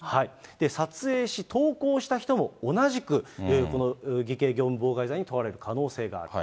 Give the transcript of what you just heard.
撮影し、投稿した人も同じくこの偽計業務妨害罪に問われる可能性がある。